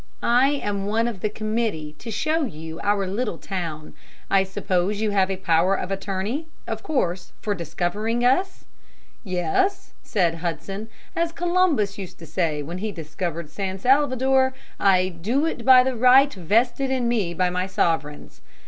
I am one of the committee to show you our little town. I suppose you have a power of attorney, of course, for discovering us?" "Yes," said Hudson. "As Columbus used to say when he discovered San Salvador, 'I do it by the right vested in me by my sovereigns.'